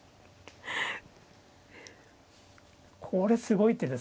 これすごい手ですね。